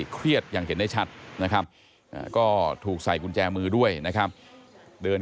เครียดอย่างเห็นได้ชัดนะครับก็ถูกใส่กุญแจมือด้วยนะครับเดิน